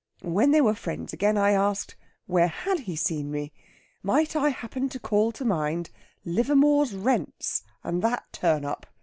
When they were friends again, I asked, Where had he seen me? Might I happen to call to mind Livermore's Rents, and that turn up?